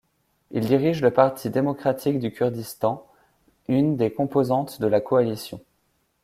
Il dirige le Parti démocratique du Kurdistan, une des composantes de la coalition.